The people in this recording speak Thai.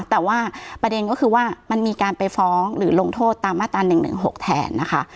แต่ว่าประเด็นก็คือว่ามันมีการไปฟ้องหรือลงโทษตามมาตรา๑๑๖แทนนะคะ